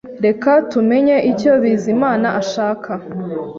Reka tumenye icyo Bizimana ashaka.